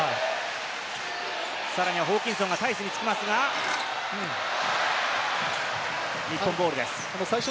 さらにはホーキンソンがタイスにつきますが、日本ボールです。